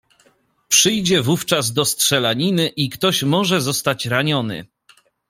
"Przyjdzie wówczas do strzelaniny i ktoś może zostać raniony."